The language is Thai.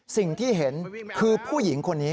สิ่งที่เห็นคือผู้หญิงคนนี้